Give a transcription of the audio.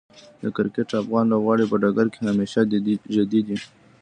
د کرکټ افغان لوبغاړي په ډګر کې همیشه جدي دي.